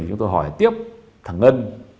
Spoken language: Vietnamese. chúng tôi hỏi tiếp thằng ngân